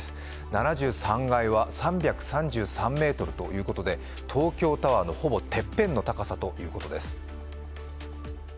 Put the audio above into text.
７３階は３３３ｍということで東京タワーのほぼてっぺんの高さということです。